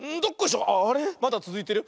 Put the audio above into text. まだつづいてるよ。